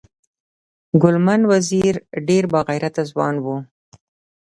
ګلمن وزیر ډیر با غیرته ځوان و